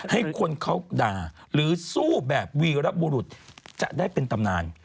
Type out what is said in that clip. ให้คนเขาด่าหรือสู้แบบวีรบุรุษจะได้เป็นตำนาน